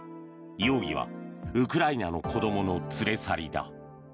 容疑はウクライナの子供の連れ去りだ。